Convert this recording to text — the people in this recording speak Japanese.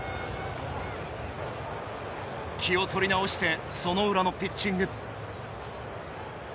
気を取り直してその裏のピッチング。